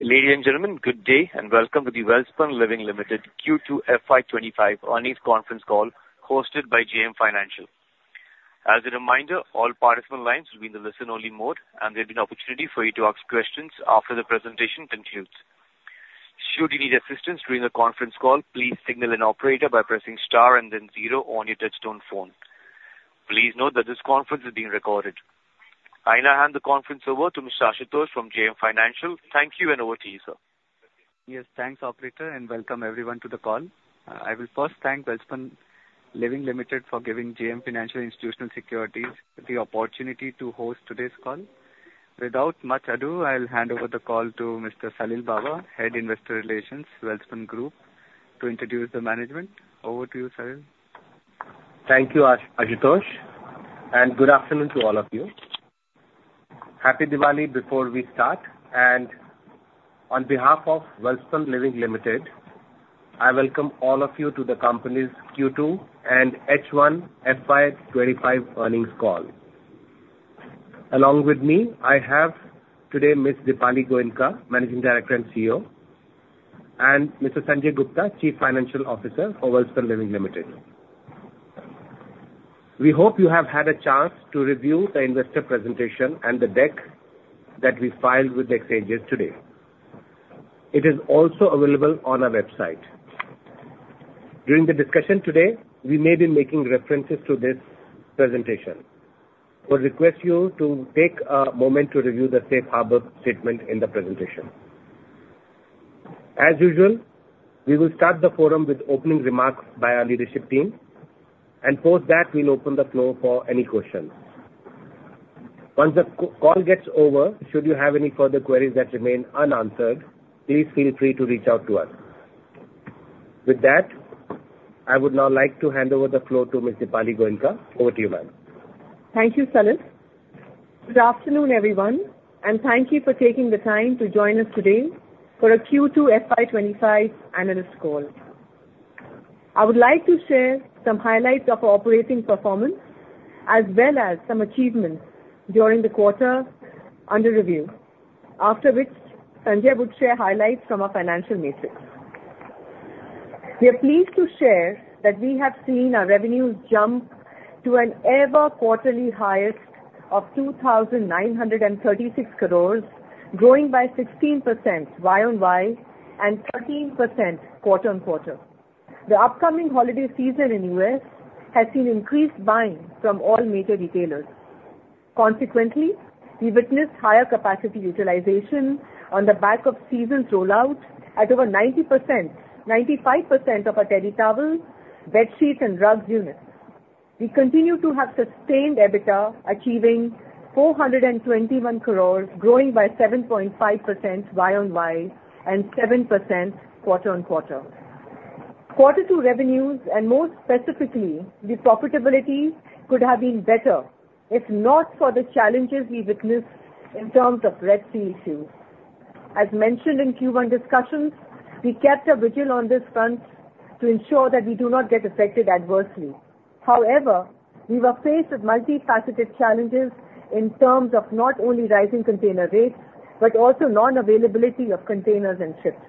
Ladies and gentlemen, good day, and welcome to the Welspun Living Limited Q2 FY25 earnings conference call, hosted by JM Financial. As a reminder, all participant lines will be in the listen-only mode, and there'll be an opportunity for you to ask questions after the presentation concludes. Should you need assistance during the conference call, please signal an operator by pressing star and then zero on your touchtone phone. Please note that this conference is being recorded. I now hand the conference over to Mr. Ashutosh from JM Financial. Thank you, and over to you, sir. Yes, thanks, operator, and welcome everyone to the call. I will first thank Welspun Living Limited for giving JM Financial Institutional Securities the opportunity to host today's call. Without much ado, I'll hand over the call to Mr. Salil Bawa, Head Investor Relations, Welspun Group, to introduce the management. Over to you, Salil. Thank you, Ashutosh, and good afternoon to all of you. Happy Diwali before we start, and on behalf of Welspun Living Limited, I welcome all of you to the company's Q2 and H1 FY25 earnings call. Along with me, I have today Ms. Dipali Goenka, Managing Director and CEO, and Mr. Sanjay Gupta, Chief Financial Officer for Welspun Living Limited. We hope you have had a chance to review the investor presentation and the deck that we filed with the exchanges today. It is also available on our website. During the discussion today, we may be making references to this presentation. We request you to take a moment to review the safe harbor statement in the presentation. As usual, we will start the forum with opening remarks by our leadership team, and post that, we'll open the floor for any questions. Once the call gets over, should you have any further queries that remain unanswered, please feel free to reach out to us. With that, I would now like to hand over the floor to Ms. Dipali Goenka. Over to you, ma'am. Thank you, Salil. Good afternoon, everyone, and thank you for taking the time to join us today for our Q2 FY 2025 analyst call. I would like to share some highlights of our operating performance, as well as some achievements during the quarter under review, after which Sanjay would share highlights from our financial metrics. We are pleased to share that we have seen our revenues jump to an all-time quarterly highest of 2,936 crores, growing by 16% YoY and 13% quarter on quarter. The upcoming holiday season in U.S. has seen increased buying from all major retailers. Consequently, we witnessed higher capacity utilization on the back of season's rollout at over 90%-95% of our terry towels, bedsheets, and rugs units. We continue to have sustained EBITDA, achieving 421 crores, growing by 7.5% YoY and 7% quarter on quarter. Q2 revenues, and more specifically, the profitability could have been better if not for the challenges we witnessed in terms of Red Sea issues. As mentioned in Q1 discussions, we kept a vigil on this front to ensure that we do not get affected adversely. However, we were faced with multifaceted challenges in terms of not only rising container rates, but also non-availability of containers and ships.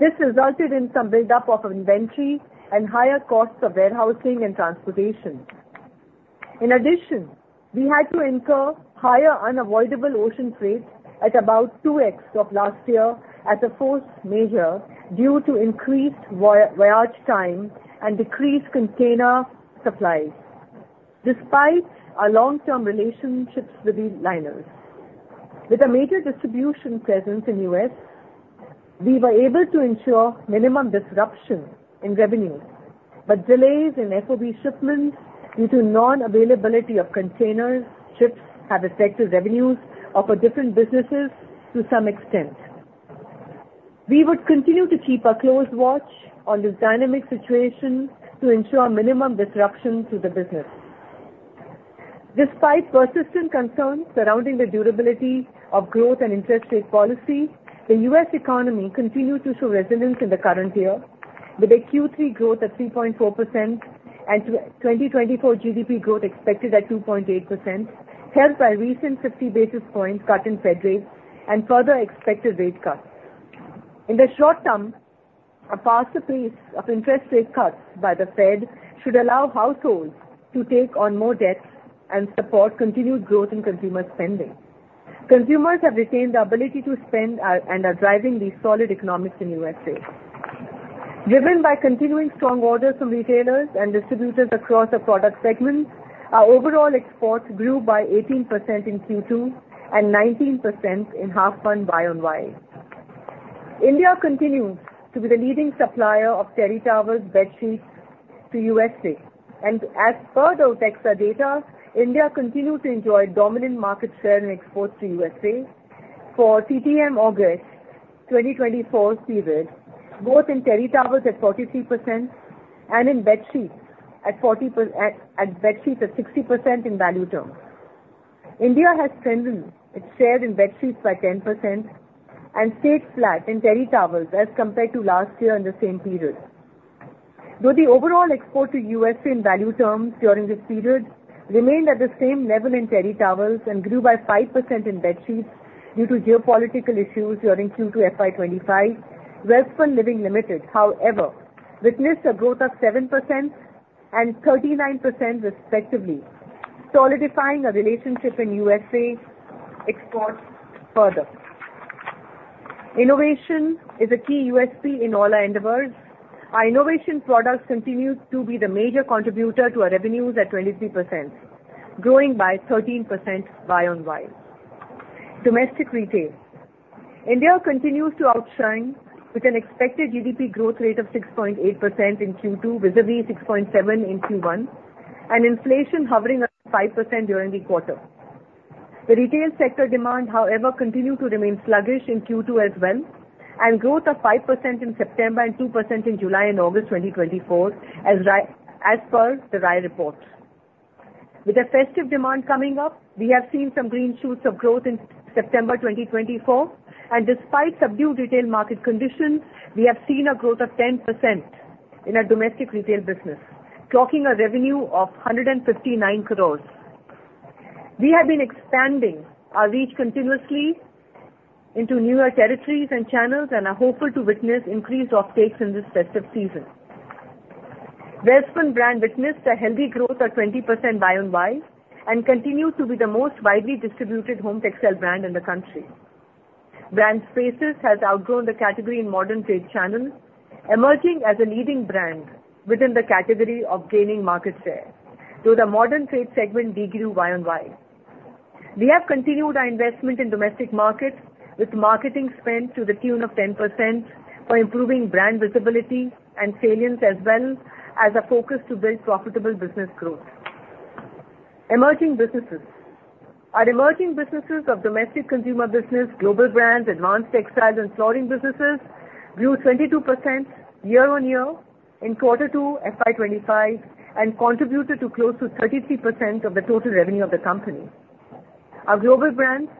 This resulted in some buildup of inventory and higher costs of warehousing and transportation. In addition, we had to incur higher unavoidable ocean rates at about 2x of last year as a force majeure due to increased voyage time and decreased container supplies, despite our long-term relationships with these liners. With a major distribution presence in U.S., we were able to ensure minimum disruption in revenues, but delays in FOB shipments due to non-availability of containers, ships, have affected revenues of our different businesses to some extent. We would continue to keep a close watch on this dynamic situation to ensure minimum disruption to the business. Despite persistent concerns surrounding the durability of growth and interest rate policy, the U.S. economy continued to show resilience in the current year, with a Q3 growth at 3.4% and 2024 GDP growth expected at 2.8%, helped by a recent 50 basis point cut in Fed rates and further expected rate cuts. In the short term, a faster pace of interest rate cuts by the Fed should allow households to take on more debts and support continued growth in consumer spending. Consumers have retained the ability to spend and are driving these solid economics in USA. Driven by continuing strong orders from retailers and distributors across our product segments, our overall exports grew by 18% in Q2 and 19% in H1 YoY. India continues to be the leading supplier of terry towels, bedsheets to USA, and as per the OTEXA data, India continues to enjoy dominant market share in exports to USA for TTM August 2024 period, both in terry towels at 43% and in bedsheets at 60% in value terms. India has strengthened its share in bedsheets by 10% and stayed flat in terry towels as compared to last year in the same period. Though the overall export to USA in value terms during this period remained at the same level in Terry Towels and grew by 5% in bedsheets due to geopolitical issues during Q2 FY 2025, Welspun Living Limited, however, witnessed a growth of 7% and 39% respectively, solidifying our relationship in USA exports further. Innovation is a key USP in all our endeavors. Our innovation products continue to be the major contributor to our revenues at 23%, growing by 13% year-on-year. Domestic retail. India continues to outshine with an expected GDP growth rate of 6.8% in Q2, vis-à-vis 6.7% in Q1, and inflation hovering at 5% during the quarter. The retail sector demand, however, continued to remain sluggish in Q2 as well, and growth of 5% in September and 2% in July and August 2024, as per the RAI report. With the festive demand coming up, we have seen some green shoots of growth in September 2024, and despite subdued retail market conditions, we have seen a growth of 10% in our domestic retail business, clocking a revenue of 159 crores. We have been expanding our reach continuously into newer territories and channels and are hopeful to witness increased off-takes in this festive season. Welspun brand witnessed a healthy growth of 20% year-on-year, and continues to be the most widely distributed home textile brand in the country. Brand Spaces has outgrown the category in modern trade channels, emerging as a leading brand within the category of gaining market share, though the modern trade segment decreased year-on-year. We have continued our investment in domestic markets with marketing spend to the tune of 10% for improving brand visibility and salience, as well as a focus to build profitable business growth. Emerging businesses. Our emerging businesses of domestic consumer business, global brands, advanced textiles and flooring businesses, grew 22% year-on-year in Q2, FY25, and contributed to close to 33% of the total revenue of the company. Our global brands,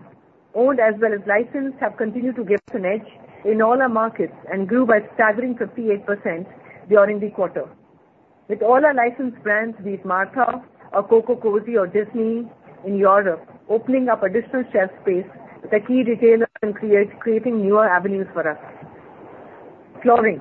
owned as well as licensed, have continued to give us an edge in all our markets and grew by a staggering 58% during the quarter. With all our licensed brands, be it Martha or COCOCOZY or Disney in Europe, opening up additional shelf space with a key retailer and create, creating newer avenues for us. Flooring.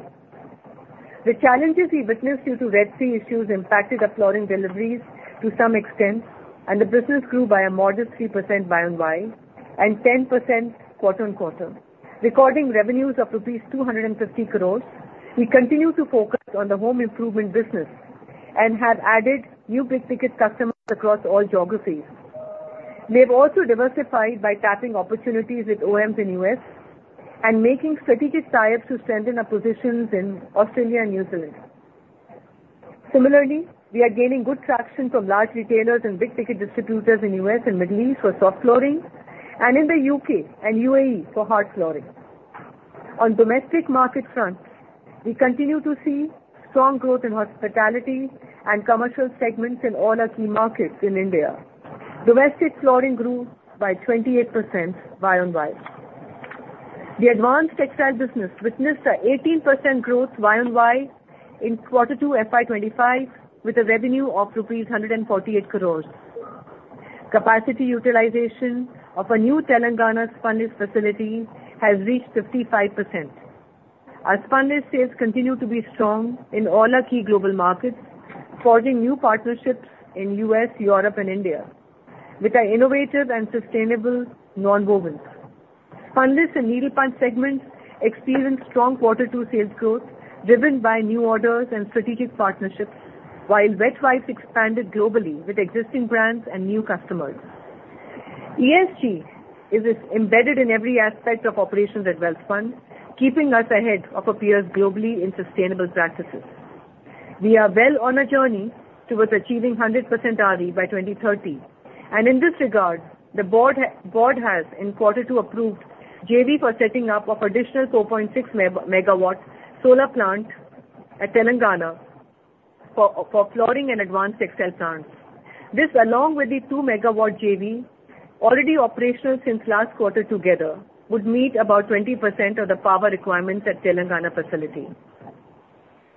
The challenges we witnessed due to Red Sea issues impacted our flooring deliveries to some extent, and the business grew by a modest 3% year-on-year and 10% QoQ, recording revenues of INR 250 crores. We continue to focus on the home improvement business and have added new big-ticket customers across all geographies. We have also diversified by tapping opportunities with OEMs in US and making strategic tie-ups to strengthen our positions in Australia and New Zealand. Similarly, we are gaining good traction from large retailers and big-ticket distributors in US and Middle East for soft flooring, and in the UK and UAE for hard flooring. On domestic market front, we continue to see strong growth in hospitality and commercial segments in all our key markets in India. Domestic flooring grew by 28% year-on-year. The advanced textile business witnessed an 18% growth year-on-year in Q2, FY25, with a revenue of rupees 148 crores. Capacity utilization of our new Telangana Spunlace facility has reached 55%. Our Spunlace sales continue to be strong in all our key global markets, forging new partnerships in U.S., Europe and India, with our innovative and sustainable nonwovens. Spunlace and needlepunched segments experienced strong Q2 sales growth, driven by new orders and strategic partnerships, while wet wipes expanded globally with existing brands and new customers. ESG is embedded in every aspect of operations at Welspun, keeping us ahead of our peers globally in sustainable practices. We are well on a journey towards achieving 100% RE by 2030, and in this regard, the board has, in Q2, approved JV for setting up of additional 4.6 megawatts solar plant at Telangana for flooring and advanced textile plants. This, along with the 2-megawatt JV already operational since last quarter together, would meet about 20% of the power requirements at Telangana facility.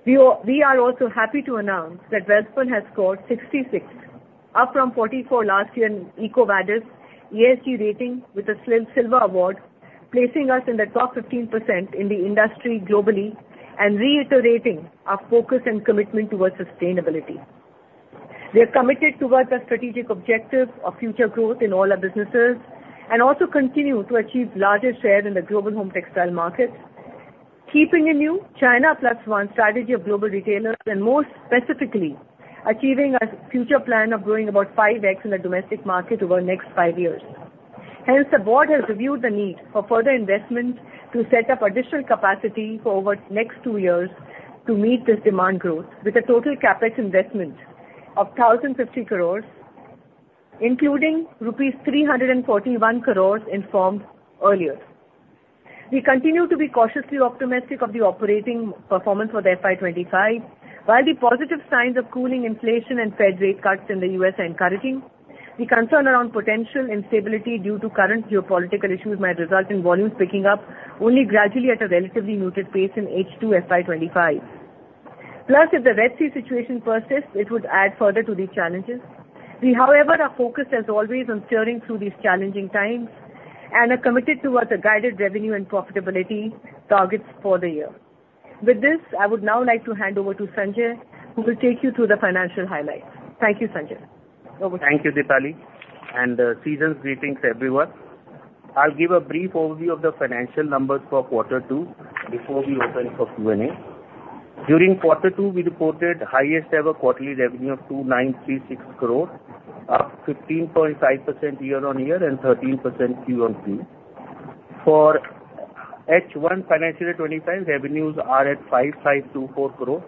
We are also happy to announce that Welspun has scored 66, up from 44 last year in EcoVadis ESG rating with a Silver Award, placing us in the top 15% in the industry globally and reiterating our focus and commitment towards sustainability. We are committed towards our strategic objective of future growth in all our businesses, and also continue to achieve larger share in the global home textile market. Keeping in view China Plus One strategy of global retailers and more specifically, achieving our future plan of growing about 5x in the domestic market over the next five years. Hence, the board has reviewed the need for further investment to set up additional capacity for over the next two years to meet this demand growth, with a total CapEx investment of 1,050 crores, including rupees 341 crores informed earlier. We continue to be cautiously optimistic of the operating performance for the FY25. While the positive signs of cooling inflation and Fed rate cuts in the U.S. are encouraging. The concern around potential instability due to current geopolitical issues might result in volumes picking up only gradually at a relatively muted pace in H2 FY25. Plus, if the Red Sea situation persists, it would add further to these challenges. We, however, are focused, as always, on steering through these challenging times and are committed towards the guided revenue and profitability targets for the year. With this, I would now like to hand over to Sanjay, who will take you through the financial highlights. Thank you, Sanjay. Over to you. Thank you, Dipali, and season's greetings, everyone. I'll give a brief overview of the financial numbers for Q2 before we open for Q&A. During Q2, we reported highest ever quarterly revenue of 2,936 crore, up 15.5% year-on-year and 13% QoQ. For H1 FY25, revenues are at INR 5,524 crore,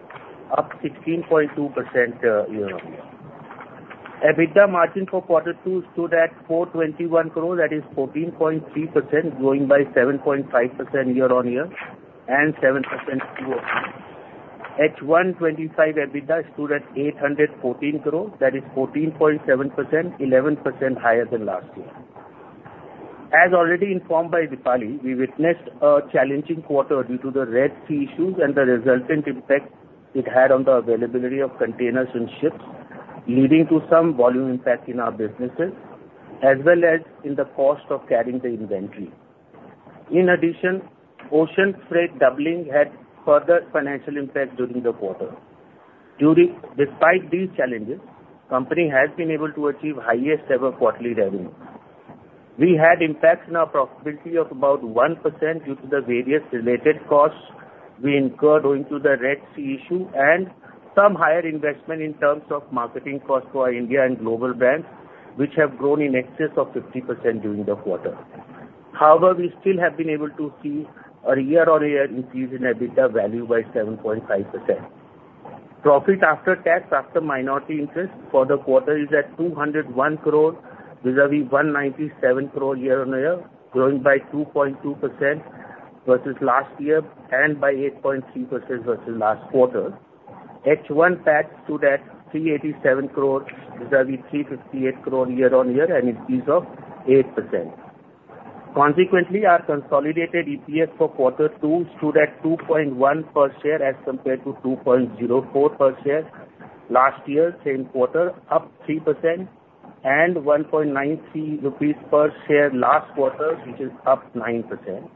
up 16.2% year-on-year. EBITDA margin for Q2 stood at 421 crore, that is 14.3%, growing by 7.5% year-on-year and 7% QOQ. H1 '25 EBITDA stood at 814 crore, that is 14.7%, 11% higher than last year. As already informed by Dipali, we witnessed a challenging quarter due to the Red Sea issues and the resultant impact it had on the availability of containers and ships, leading to some volume impact in our businesses, as well as in the cost of carrying the inventory. In addition, ocean freight doubling had further financial impact during the quarter. Despite these challenges, company has been able to achieve highest ever quarterly revenue. We had impacts in our profitability of about 1% due to the various related costs we incurred owing to the Red Sea issue and some higher investment in terms of marketing costs for our India and global brands, which have grown in excess of 50% during the quarter. However, we still have been able to see a year-on-year increase in EBITDA value by 7.5%. Profit after tax, after minority interest for the quarter is at 201 crore, vis-à-vis 197 crore year-on-year, growing by 2.2% versus last year and by 8.3% versus last quarter. H1 tax stood at 387 crore, vis-à-vis 358 crore year-on-year, an increase of 8%. Consequently, our consolidated EPS for Q2 stood at 2.1 per share as compared to 2.04 per share last year, same quarter, up 3% and 1.93 rupees per share last quarter, which is up 9%.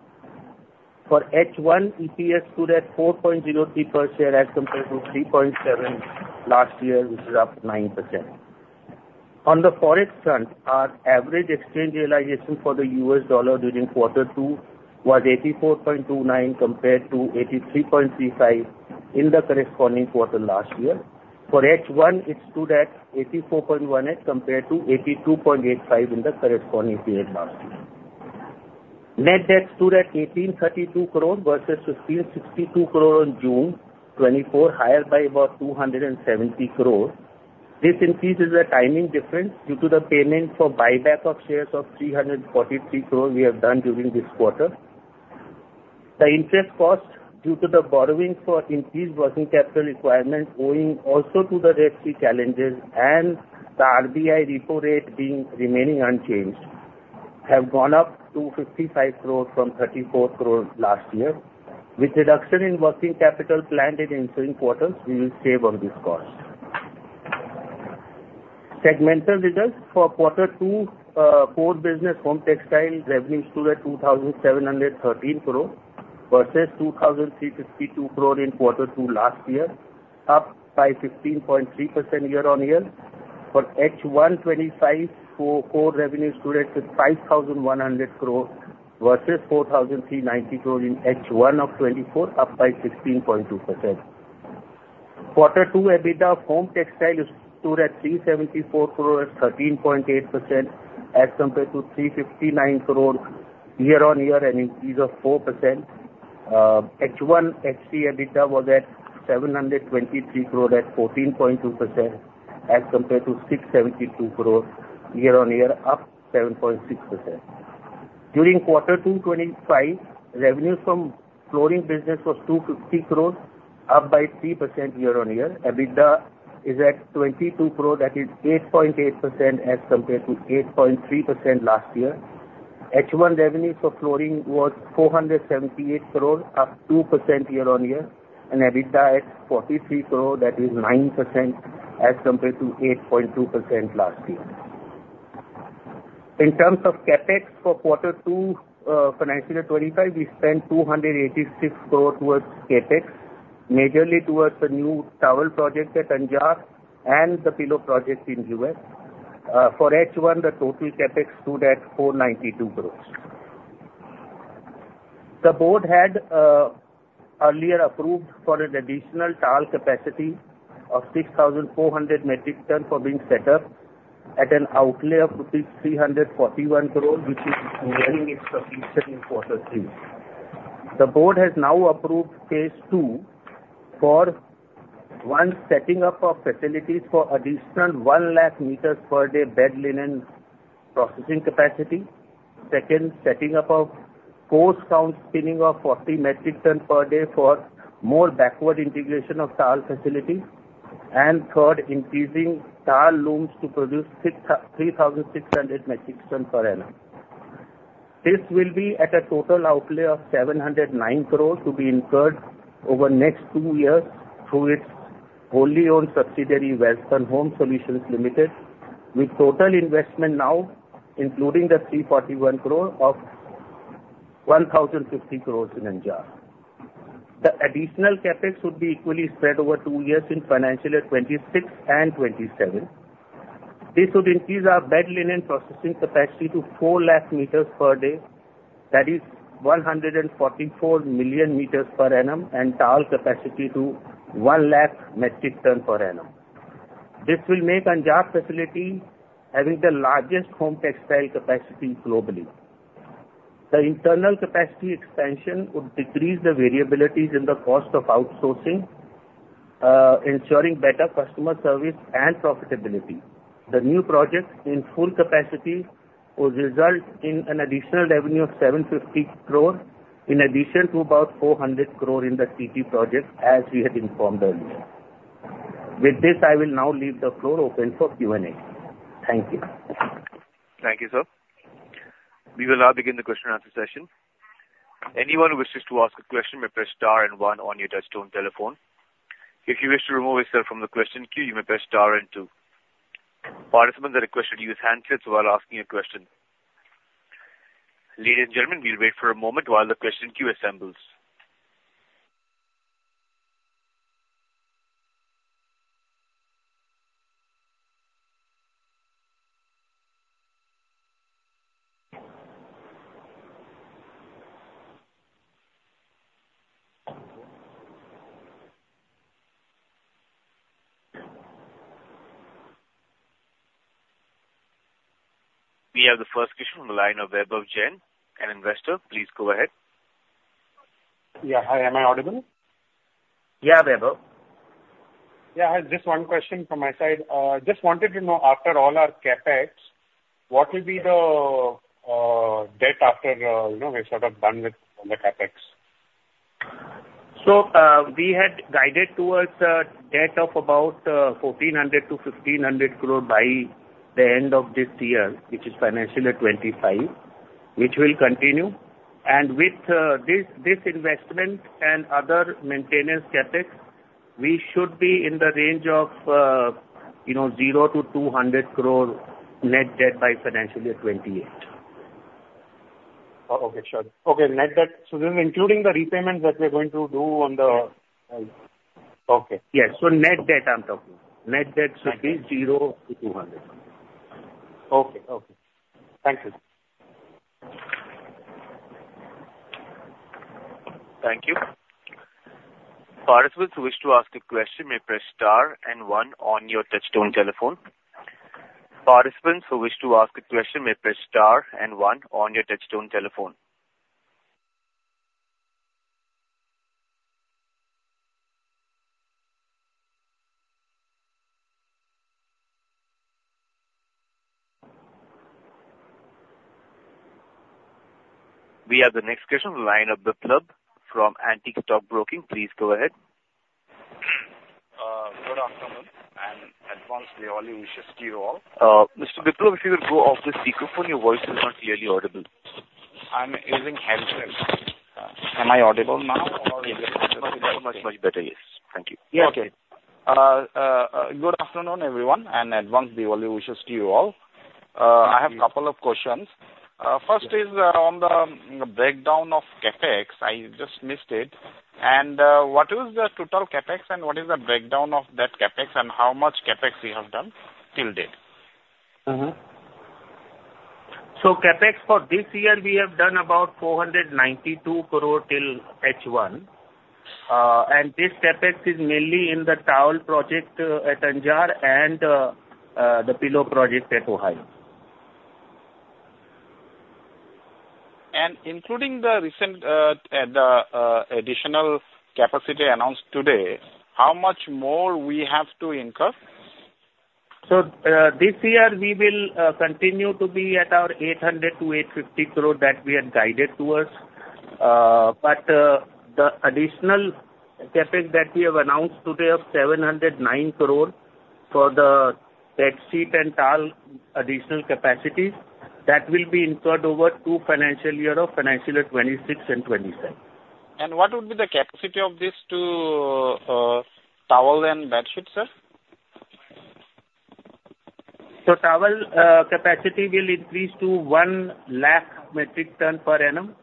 For H1, EPS stood at 4.03 per share as compared to 3.7 last year, which is up 9%. On the Forex front, our average exchange realization for the US dollar during Q2 was 84.29, compared to 83.35 in the corresponding quarter last year. For H1, it stood at 84.18 compared to 82.85 in the corresponding period last year. Net debt stood at 1,832 crore versus 1,562 crore in June 2024, higher by about 270 crore. This increase is a timing difference due to the payment for buyback of shares of 343 crore we have done during this quarter. The interest cost due to the borrowing for increased working capital requirement, owing also to the Red Sea challenges and the RBI repo rate being remaining unchanged, have gone up to 55 crore from 34 crore last year. With reduction in working capital planned in ensuing quarters, we will save on this cost. Segmental results for Q2, core business home textiles revenues stood at 2,713 crore versus 2,352 crore in Q2 last year, up by 15.3% year-on-year. For H1 2025, core revenue stood at 5,100 crore versus 4,390 crore in H1 of 2024, up by 16.2%. Q2, EBITDA home textile stood at 374 crore, at 13.8%, as compared to 359 crore year-on-year, an increase of 4%. H1 HC EBITDA was at 723 crore at 14.2%, as compared to 672 crore year-on-year, up 7.6%. During Q2 2025, revenues from flooring business was INR 250 crore, up by 3% year-on-year. EBITDA is at 22 crore, that is 8.8%, as compared to 8.3% last year. H1 revenues for flooring was INR 478 crore, up 2% year-on-year, and EBITDA at INR 43 crore, that is 9%, as compared to 8.2% last year. In terms of CapEx for Q2, FY25, we spent 286 crore towards CapEx, majorly towards the new towel project at Anjar and the pillow project in US. For H1, the total CapEx stood at 492 crores. The board had earlier approved for an additional towel capacity of six thousand four hundred metric ton for being set up at an outlay of rupees 341 crore, which is nearing its completion in Q3. The board has now approved phase II for one, setting up of facilities for additional one lakh meters per day bed linen processing capacity. Second, setting up a coarse count spinning of forty metric ton per day for more backward integration of towel facility. And third, increasing towel looms to produce three thousand six hundred metric ton per annum. This will be at a total outlay of 709 crore to be incurred over next two years through its wholly owned subsidiary, Welspun Home Solutions Limited, with total investment now, including the 341 crore of 1,050 crore in Anjar. The additional CapEx would be equally spread over two years in FY26 and 2027. This would increase our bed linen processing capacity to four lakh meters per day, that is 144 million meters per annum, and towel capacity to one lakh metric ton per annum. This will make Anjar facility having the largest home textile capacity globally. The internal capacity expansion would decrease the variabilities in the cost of outsourcing, ensuring better customer service and profitability. The new project in full capacity will result in an additional revenue of 750 crore, in addition to about 400 crore in the CT project, as we had informed earlier. With this, I will now leave the floor open for Q&A. Thank you. Thank you, sir. We will now begin the question and answer session. Anyone who wishes to ask a question may press star and one on your touchtone telephone. If you wish to remove yourself from the question queue, you may press star and two. Participants are requested to use handsets while asking a question. Ladies and gentlemen, we'll wait for a moment while the question queue assembles. We have the first question on the line of Vaibhav Jain, an investor. Please go ahead. Yeah. Hi, am I audible? Yeah, Vaibhav. Yeah, I have just one question from my side. Just wanted to know, after all our CapEx, what will be the debt after, you know, we're sort of done with all the CapEx? We had guided towards a debt of about 1,400-1,500 crore by the end of this year, which is FY25, which will continue. With this investment and other maintenance CapEx, we should be in the range of, you know, 0-200 crore net debt by FY28. Oh, okay. Sure. Okay, net debt. So this is including the repayments that we're going to do on the... Okay. Yes. So net debt, I'm talking. Net debt should be zero to 200. Okay. Okay. Thank you. Thank you. Participants who wish to ask a question may press star and one on your touchtone telephone. We have the next question on the line of Biplab from Antique Stock Broking. Please go ahead. Good afternoon, and advance Diwali wishes to you all. Mr. Biplab, if you will go off the speakerphone, your voice is not clearly audible. I'm using handset. Am I audible now or? Yes. Much, much better. Yes. Thank you. Yeah, okay. Good afternoon, everyone, and advance Diwali wishes to you all. Thank you. I have a couple of questions. First is on the breakdown of CapEx. I just missed it, and what is the total CapEx, and what is the breakdown of that CapEx, and how much CapEx you have done till date? Mm-hmm. So CapEx for this year, we have done about 492 crore till H1. And this CapEx is mainly in the towel project at Anjar and the pillow project at Ohio. Including the recent additional capacity announced today, how much more we have to incur? This year we will continue to be at our 800-850 crore that we had guided towards. The additional CapEx that we have announced today of 709 crore for the bedsheet and towel additional capacities, that will be incurred over two financial year of FY26 and 2027. What would be the capacity of these two towel and bedsheet, sir? Towel capacity will increase to one lakh metric ton per annum,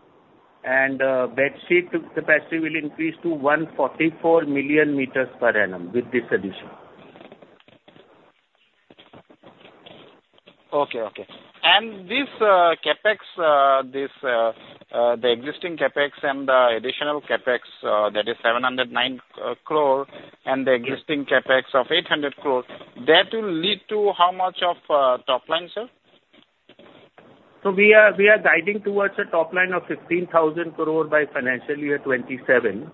and bedsheet capacity will increase to 144 million meters per annum with this addition. Okay. And this CapEx, the existing CapEx and the additional CapEx that is 709 crore, and the existing CapEx of 800 crores, that will lead to how much of top line, sir? We are guiding towards a top line of 15,000 crore by FY27,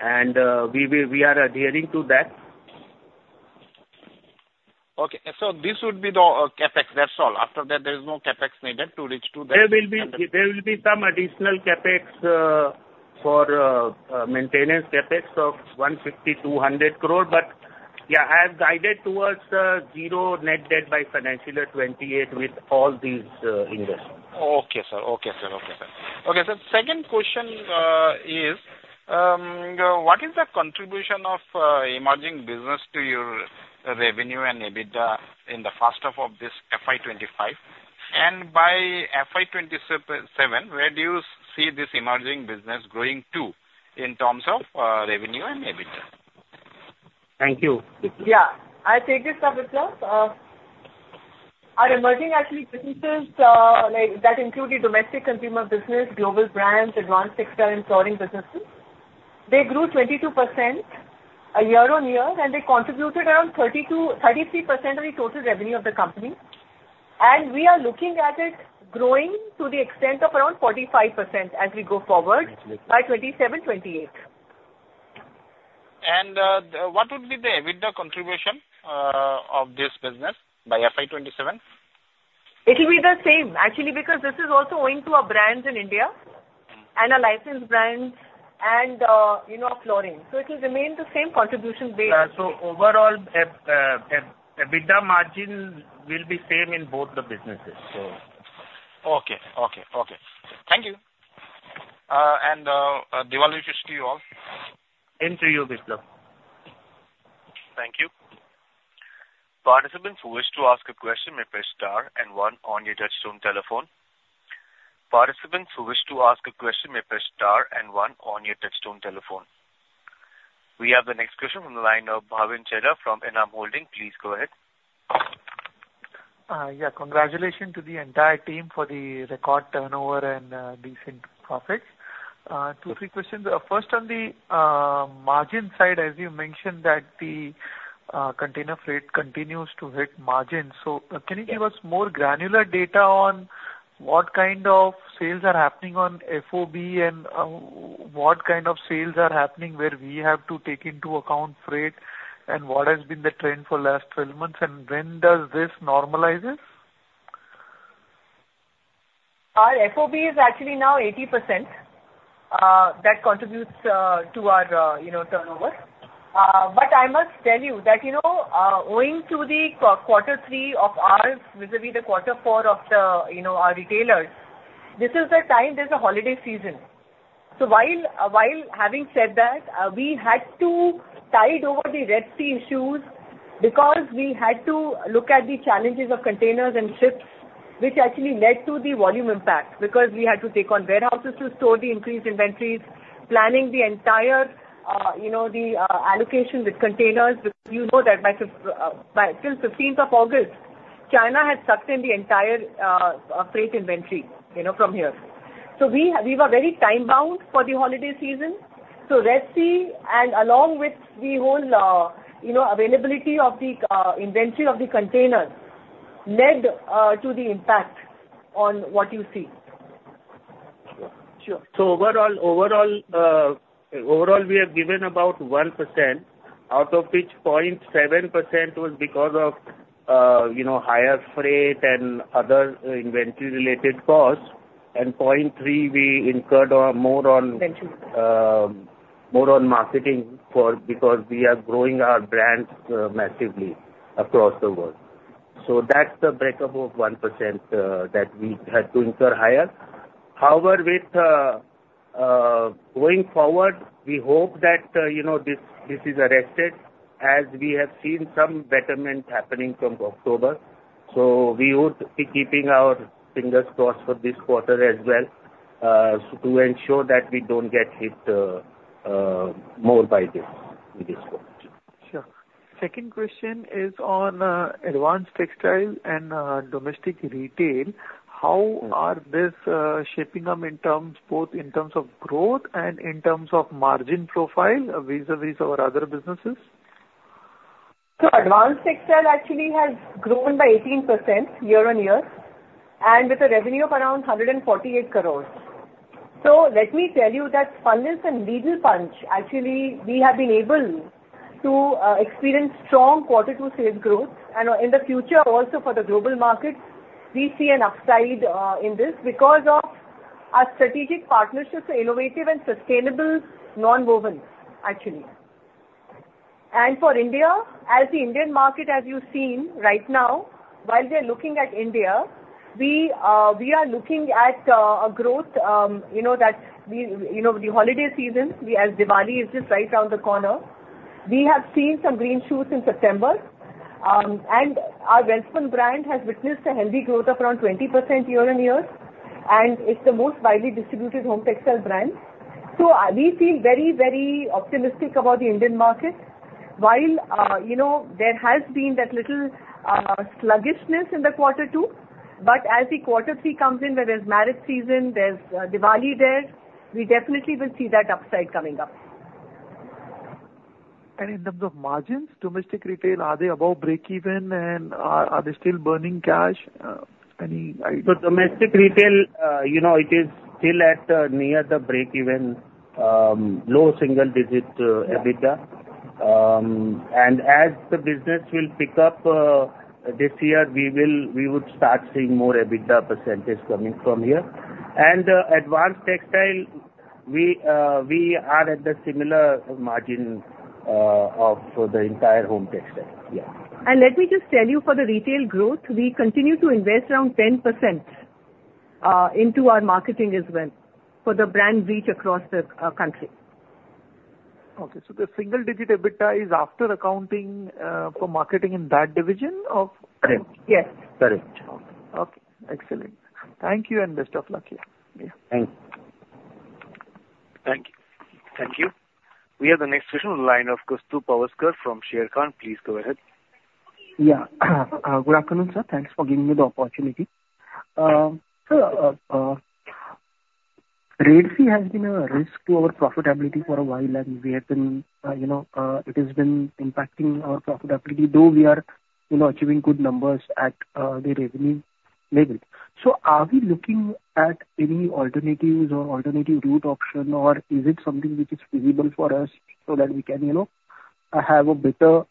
and we are adhering to that. Okay, so this would be the CapEx, that's all. After that, there is no CapEx needed to reach to that? There will be some additional CapEx for maintenance CapEx of 150-200 crore. But yeah, I have guided towards zero net debt by financial 2028 with all these investments. Okay, sir, second question, what is the contribution of emerging business to your revenue and EBITDA in the first half of this FY25? And by FY twenty-seven, where do you see this emerging business growing to in terms of revenue and EBITDA? Thank you, Bisla. Yeah, I'll take this up, Biplab. Our emerging actually businesses, like, that include the domestic consumer business, global brands, advanced textile, and flooring businesses. They grew 22% year-on-year, and they contributed around 32-33% of the total revenue of the company, and we are looking at it growing to the extent of around 45% as we go forward by 2027, 2028. What would be the EBITDA contribution of this business by FY 2027? It will be the same, actually, because this is also owing to our brands in India and our licensed brands and, you know, flooring. So it will remain the same contribution base. Overall, EBITDA margin will be same in both the businesses. Okay. Okay. Okay. Thank you. Diwali wishes to you all. To you, Bisla. Thank you. Participants who wish to ask a question may press star and one on your touchtone telephone. We have the next question from the line of Bhavin Chheda from ENAM Holdings. Please go ahead. Yeah, congratulations to the entire team for the record turnover and decent profits. Two, three questions. First, on the margin side, as you mentioned that the container freight continues to hit margins. So can you give us more granular data on what kind of sales are happening on FOB and what kind of sales are happening where we have to take into account freight, and what has been the trend for last 12 months, and when does this normalizes? Our FOB is actually now 80%, that contributes to our, you know, turnover. But I must tell you that, you know, owing to the Q3 of ours, vis-a-vis the quarter four of the, you know, our retailers, this is the time there's a holiday season. So while having said that, we had to tide over the Red Sea issues because we had to look at the challenges of containers and ships, which actually led to the volume impact, because we had to take on warehouses to store the increased inventories, planning the entire, you know, the allocation with containers. Because you know that by fifth till fifteenth of August, China had sucked in the entire, freight inventory, you know, from here. So we were very time-bound for the holiday season. Red Sea and along with the whole, you know, availability of the inventory of the containers led to the impact on what you see. Sure. Sure. So overall, we have given about 1%, out of which 0.7% was because of, you know, higher freight and other inventory-related costs, and 0.3%, we incurred on more. Inventory. More on marketing, because we are growing our brands massively across the world, so that's the breakup of 1% that we had to incur higher. However, going forward, we hope that, you know, this is arrested as we have seen some betterment happening from October, so we would be keeping our fingers crossed for this quarter as well to ensure that we don't get hit more by this quarter. Sure. Second question is on, advanced textile and, domestic retail. How are this, shaping up in terms, both in terms of growth and in terms of margin profile, vis-a-vis our other businesses? Advanced textiles actually has grown by 18% year on year, and with a revenue of around 148 crores. Let me tell you that Spunlace and Needlepunch, actually, we have been able to experience strong Q2 sales growth. In the future, also for the global markets, we see an upside in this because of our strategic partnerships for innovative and sustainable nonwovens, actually. For India, as the Indian market, as you've seen right now, while we are looking at India, we, we are looking at a growth, you know, that we... you know, the holiday season, we, as Diwali is just right around the corner. We have seen some green shoots in September. and our Welspun brand has witnessed a healthy growth of around 20% year on year, and it's the most widely distributed home textile brand. So, we feel very, very optimistic about the Indian market, while, you know, there has been that little, sluggishness in the Q2, but as the Q3 comes in, where there's marriage season, there's, Diwali there, we definitely will see that upside coming up. In terms of margins, domestic retail, are they above breakeven and are they still burning cash? Any idea? So domestic retail, you know, it is still at near the breakeven. Low single digit EBITDA. And as the business will pick up this year, we will, we would start seeing more EBITDA percentage coming from here. And advanced textile, we are at the similar margin of the entire home textile. Yeah. And let me just tell you, for the retail growth, we continue to invest around 10% into our marketing as well, for the brand reach across the country. Okay, so the single digit EBITDA is after accounting for marketing in that division of- Yes. Correct. Okay. Excellent. Thank you, and best of luck to you. Yeah. Thanks. Thank you. Thank you. We have the next question on the line of Kaustubh Pawaskar from Sharekhan. Please go ahead. Yeah. Good afternoon, sir. Thanks for giving me the opportunity. So, freight rate has been a risk to our profitability for a while, and we have been, you know, it has been impacting our profitability, though we are, you know, achieving good numbers at the revenue level. So are we looking at any alternatives or alternative route option, or is it something which is feasible for us so that we can, you know, have better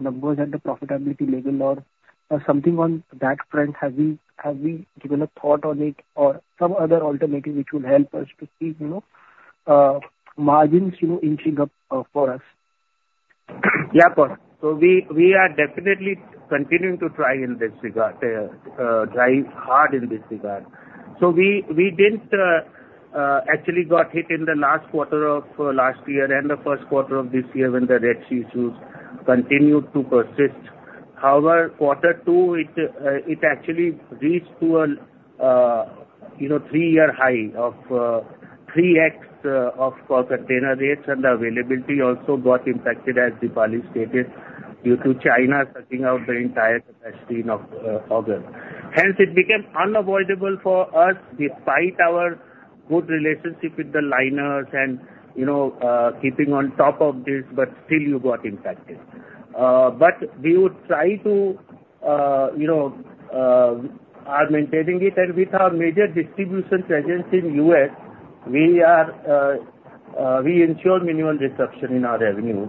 numbers at the profitability level or something on that front? Have we given a thought on it or some other alternative which will help us to keep, you know, margins, you know, inching up for us? Yeah, of course. So we are definitely continuing to try in this regard, try hard in this regard. So we didn't actually got hit in the last quarter of last year and the first quarter of this year when the Red Sea issues continued to persist. However, Q2, it actually reached to a three-year high of 3X of container rates, and the availability also got impacted, as Dipali stated, due to China sucking out the entire capacity in August. Hence, it became unavoidable for us, despite our good relationship with the liners and, you know, keeping on top of this, but still you got impacted. But we would try to, you know, are maintaining it. And with our major distribution presence in U.S., we are, we ensure minimal disruption in our revenues.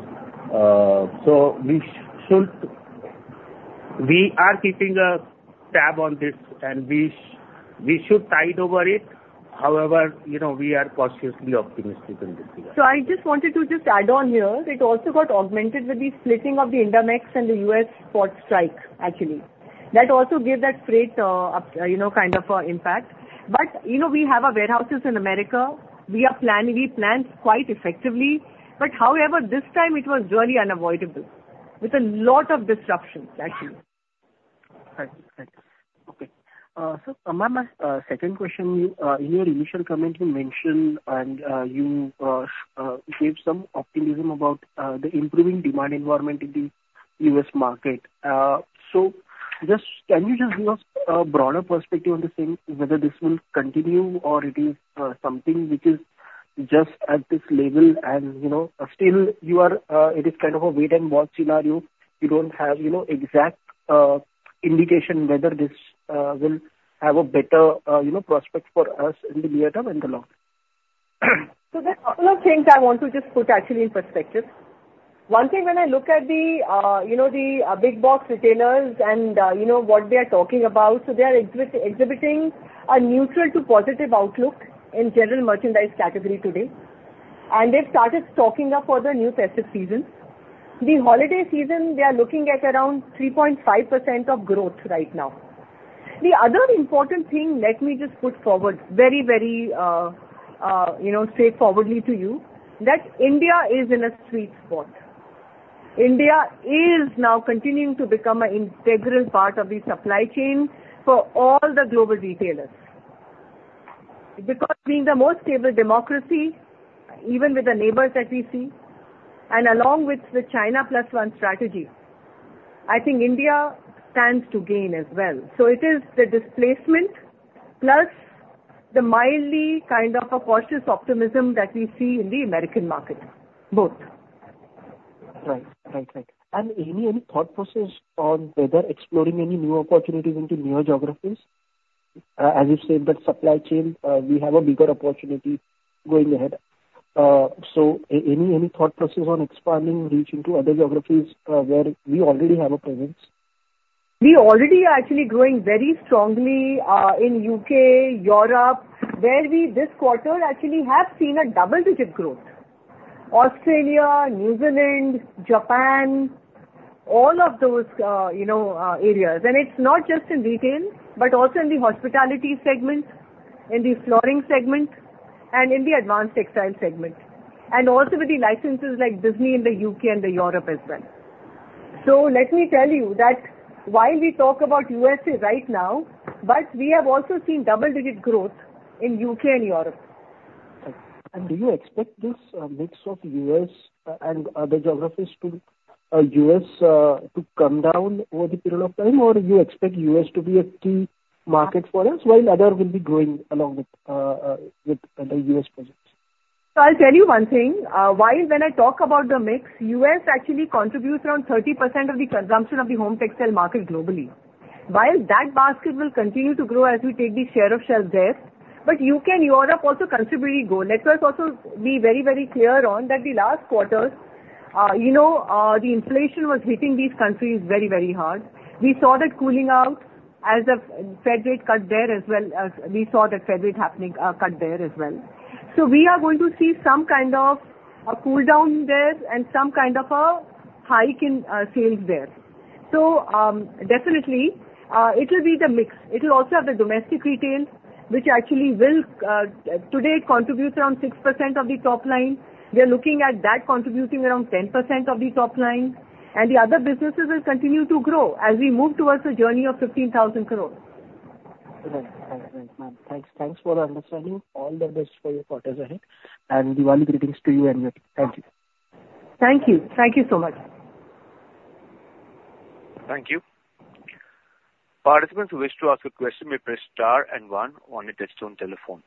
So we should. We are keeping a tab on this, and we should tide over it. However, you know, we are cautiously optimistic in this regard. So I just wanted to just add on here, it also got augmented with the splitting of the USMX and the U.S. port strike, actually. That also gave that great up, you know, kind of impact. But, you know, we have our warehouses in America. We planned quite effectively, but however, this time it was really unavoidable, with a lot of disruptions, actually. Right. Right. Okay. So, ma'am, my second question, in your initial comments you mentioned and, you gave some optimism about the improving demand environment in the US market. So can you just give us a broader perspective on the same, whether this will continue or it is something which is just at this level and, you know, still you are, it is kind of a wait and watch scenario. You don't have, you know, exact indication whether this will have a better, you know, prospect for us in the near term and the long term. So there are a couple of things I want to just put actually in perspective. One thing, when I look at the, you know, the, big box retailers and, you know, what they are talking about, so they are exhibiting a neutral to positive outlook in general merchandise category today. And they've started stocking up for the new festive season. The holiday season, they are looking at around 3.5% of growth right now. The other important thing, let me just put forward very, very, you know, straightforwardly to you, that India is in a sweet spot. India is now continuing to become an integral part of the supply chain for all the global retailers. Because being the most stable democracy, even with the neighbors that we see, and along with the China Plus One strategy, I think India stands to gain as well. So it is the displacement plus the mildly kind of a cautious optimism that we see in the American market, both. Right. And any thought process on whether exploring any new opportunities into new geographies? As you said, that supply chain, we have a bigger opportunity going ahead. So any thought process on expanding, reaching to other geographies, where we already have a presence? We already are actually growing very strongly in U.K., Europe, where we this quarter actually have seen a double-digit growth. Australia, New Zealand, Japan, all of those, you know, areas. And it's not just in retail, but also in the hospitality segment, in the flooring segment, and in the advanced textile segment, and also with the licenses like Disney in the U.K. and the Europe as well. So let me tell you that while we talk about U.S.A. right now, but we have also seen double-digit growth in U.K. and Europe. Right. And do you expect this mix of U.S. and other geographies to come down over the period of time, or do you expect U.S. to be a key market for us, while other will be growing along with the U.S. presence? So I'll tell you one thing, well, when I talk about the mix, U.S. actually contributes around 30% of the consumption of the home textiles market globally. While that basket will continue to grow as we take the share of shelf there, but you can year-on-year also considerably grow. Let us also be very, very clear. That the last quarter, you know, the inflation was hitting these countries very, very hard. We saw that cooling out as the Fed rate cut there as well as we saw that Fed rate cut happening there as well. We are going to see some kind of a cool down there and some kind of a hike in sales there, so definitely, it will be the mix. It will also have the domestic retail, which actually will today contribute around 6% of the top line. We are looking at that contributing around 10% of the top line, and the other businesses will continue to grow as we move towards a journey of 15,000 crores. Right. Thanks, ma'am. Thanks, thanks for the understanding. All the best for your quarters ahead, and Diwali greetings to you and your team. Thank you. Thank you. Thank you so much. Thank you. Participants who wish to ask a question may press star and one on your touchtone telephone.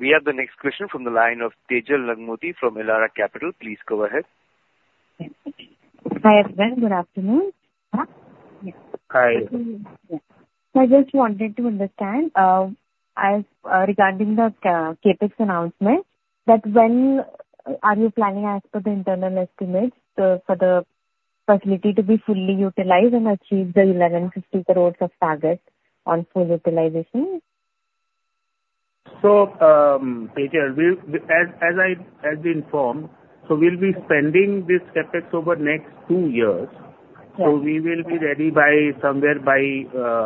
We have the next question from the line of Tejal Nagmoti from Elara Capital. Please go ahead. Hi, everyone. Good afternoon. Hi. I just wanted to understand, as regarding the CapEx announcement, that when are you planning as per the internal estimates for the facility to be fully utilized and achieve the 1,150 crores of target on full utilization? So, Tejal, as I informed, so we'll be spending this CapEx over next two years. Right. So we will be ready by somewhere,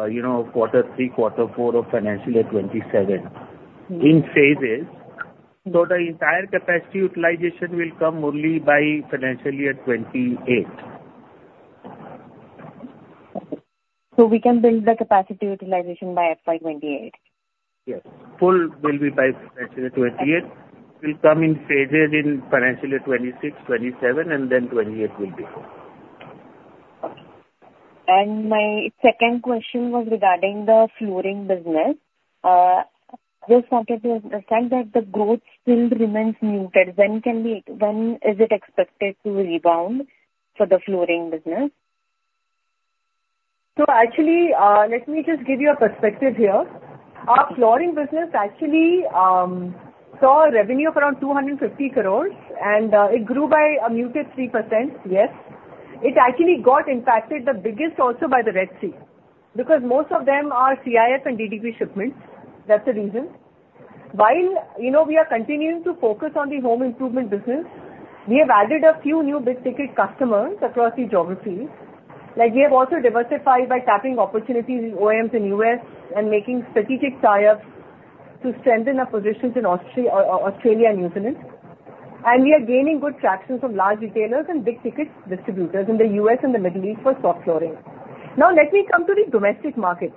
you know, Q3, Q4 of FY27. Mm-hmm. in phases. So the entire capacity utilization will come only by FY28. So we can build the capacity utilization by FY 2028? Yes. Full will be by FY28. Okay. Will come in phases in FY26, 2027, and then 2028 will be full. Okay. And my second question was regarding the flooring business. Just wanted to understand that the growth still remains muted. When is it expected to rebound for the flooring business? So actually, let me just give you a perspective here. Our flooring business actually saw a revenue of around 250 crores, and it grew by a muted 3%. Yes. It actually got impacted the biggest also by the Red Sea, because most of them are CIF and DDP shipments. That's the reason. While, you know, we are continuing to focus on the home improvement business, we have added a few new big-ticket customers across the geographies. Like, we have also diversified by tapping opportunities with OEMs in U.S. and making strategic tie-ups to strengthen our positions in Australia and New Zealand, and we are gaining good traction from large retailers and big-ticket distributors in the U.S. and the Middle East for soft flooring. Now, let me come to the domestic market.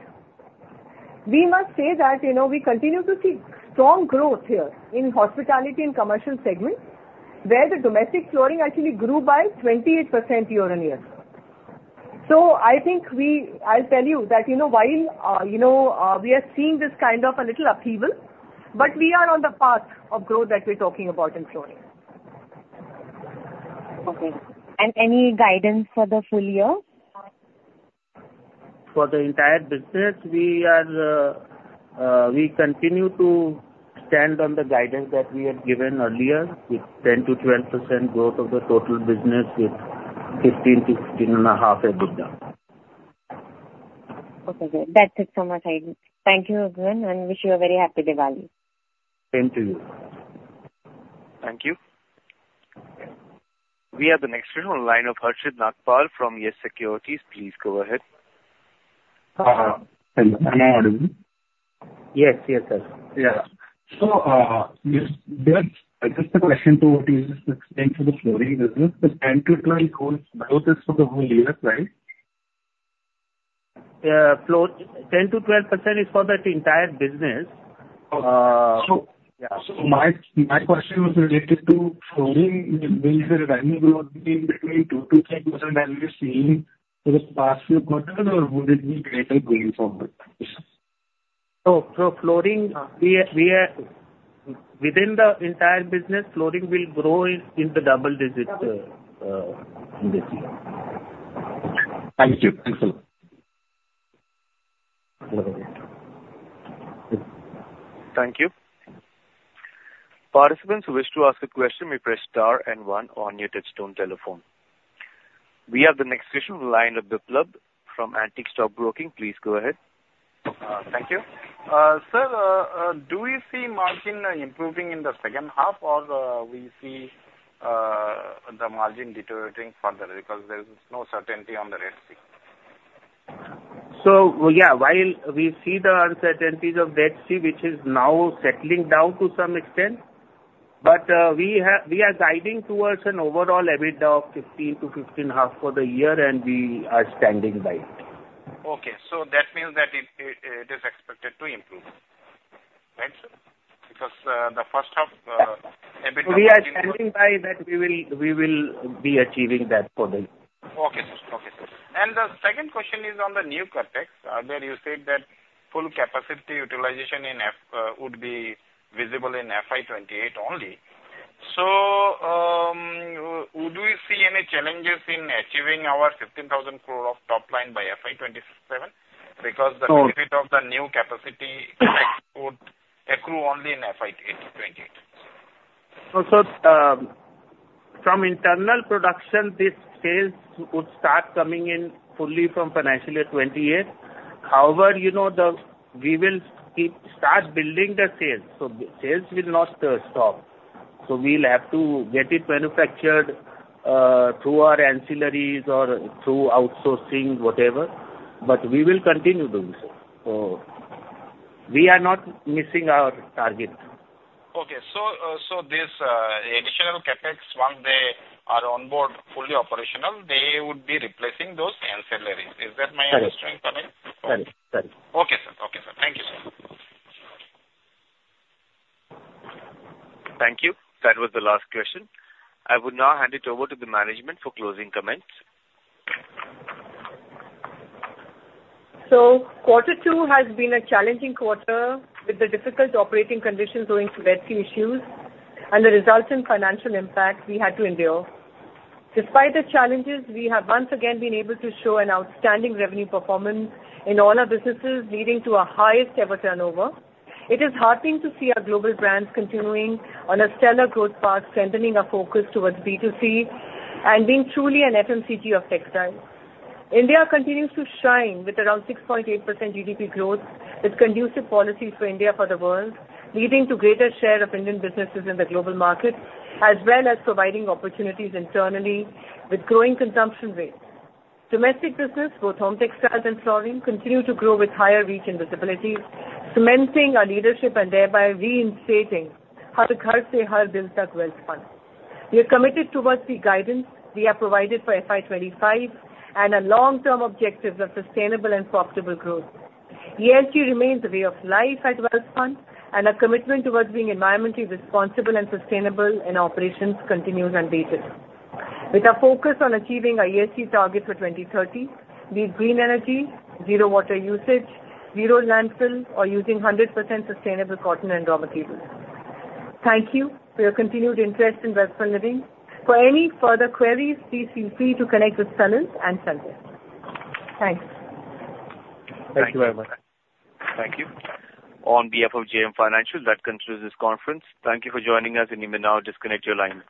We must say that, you know, we continue to see strong growth here in hospitality and commercial segment, where the domestic flooring actually grew by 28% year-on-year. So I think I'll tell you that, you know, while, you know, we are seeing this kind of a little upheaval, but we are on the path of growth that we're talking about in flooring. Okay. And any guidance for the full year? For the entire business, we continue to stand on the guidance that we had given earlier, with 10-12% growth of the total business, with 15-16.5% EBITDA. Okay, good. That's it for my side. Thank you, everyone, and wish you a very happy Diwali. Same to you. Thank you. We have the next question on the line of Harshit Nagpal from Yes Securities. Please go ahead. Hello. Am I audible? Yes. Yes, sir. Yeah. So, just a question to what you just explained to the flooring business, the 10%-12% growth is for the whole year, right? Floor, 10%-12% is for the entire business. So- Yeah. My question was related to flooring. Maybe the revenue growth between 2% to 3% that we've seen for the past few quarters, or would it be greater going forward? So, flooring, we are within the entire business. Flooring will grow in the double digits in this year. Thank you. Thanks a lot. Thank you. Participants who wish to ask a question may press star and one on your touchtone telephone. We have the next question on the line of Biplab from Antique Stock Broking. Please go ahead. Thank you. Sir, do you see margin improving in the second half, or we see the margin deteriorating further because there is no certainty on the Red Sea? While we see the uncertainties of Red Sea, which is now settling down to some extent, but we are guiding towards an overall EBITDA of 15 to 15.5 for the year, and we are standing by it. Okay, so that means that it is expected to improve. Right, sir? Because the first half EBITDA- We are standing by that we will, we will be achieving that for the year. Okay, sir. The second question is on the new CapEx. There you said that full capacity utilization would be visible in FY 2028 only. Would we see any challenges in achieving our 15,000 crore of top line by FY 2027? Because the benefit of the new capacity would accrue only in FY 2028. From internal production, this sales would start coming in fully from FY28. However, you know, we will start building the sales, so the sales will not stop. We'll have to get it manufactured through our ancillaries or through outsourcing, whatever. But we will continue doing so. We are not missing our target. Okay. So, this additional CapEx, once they are on board, fully operational, they would be replacing those ancillaries. Is that my understanding correct? Right. Right. Okay, sir. Okay, sir. Thank you, sir. Thank you. That was the last question. I would now hand it over to the management for closing comments. Q2 has been a challenging quarter, with the difficult operating conditions owing to Red Sea issues and the resultant financial impact we had to endure. Despite the challenges, we have once again been able to show an outstanding revenue performance in all our businesses, leading to our highest ever turnover. It is heartening to see our global brands continuing on a stellar growth path, strengthening our focus towards B2C and being truly an FMCG of textiles. India continues to shine with around 6.8% GDP growth, with conducive policies for India for the world, leading to greater share of Indian businesses in the global market, as well as providing opportunities internally with growing consumption rates. Domestic business, both home textiles and flooring, continue to grow with higher reach and visibility, cementing our leadership and thereby reinstating our..., Welspun. We are committed towards the guidance we have provided for FY25 and our long-term objectives of sustainable and profitable growth. ESG remains the way of life at Welspun, and our commitment towards being environmentally responsible and sustainable in our operations continues unabated. With our focus on achieving our ESG target for twenty thirty, be it green energy, zero water usage, zero landfills, or using 100% sustainable cotton and renewables. Thank you for your continued interest in Welspun Living. For any further queries, please feel free to connect with Salil and Sanjay. Thanks. Thank you very much. Thank you. On behalf of JM Financial, that concludes this conference. Thank you for joining us, and you may now disconnect your line.